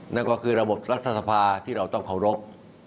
นั่นก็คือระบบรัฐสภาที่เราต้องเคารพ